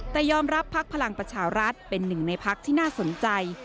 แต่ยอมรับพักพลังประชารัฐเป็นหนึ่งในพักที่น่าสนใจ